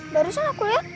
barusan aku lihat